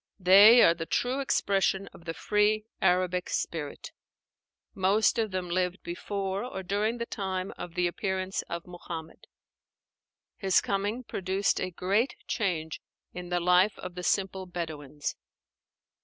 They are the true expression of the free Arabic spirit. Most of them lived before or during the time of the appearance of Muhammad. His coming produced a great change in the life of the simple Bedouins.